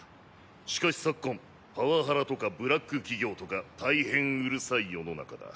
しかし昨今パワハラとかブラック企業とか大変うるさい世の中だ。